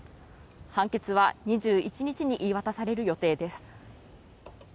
判決は２１日に言い渡される予定です。